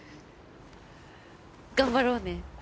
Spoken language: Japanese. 頑張ろうね。